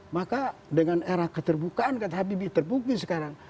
maka dengan era keterbukaan kan habibie terbukti sekarang